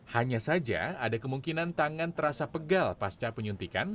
hanya saja ada kemungkinan tangan terasa pegal pasca penyuntikan